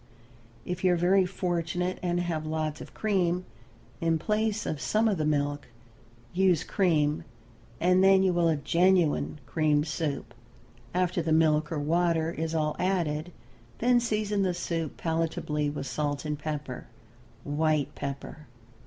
If you are very fortunate and have lots of cream, in place of some of the milk, use cream, and then you will have genuine cream soup. After the milk or water is all added, then season the soup palatably with salt and pepper white pepper.